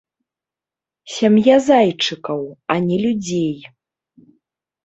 Сям'я зайчыкаў, а не людзей.